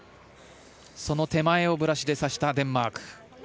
その手前をブラシで指したデンマーク。